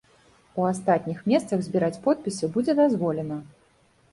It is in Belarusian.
У астатніх месцах збіраць подпісы будзе дазволена.